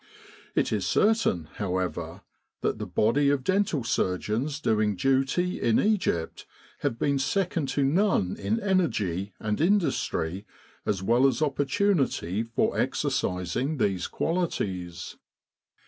It is certain, how ever, that the body of dental surgeons doing duty in Egypt have been second to none in energy and in dustry as well as opportunity for exercising these qualities.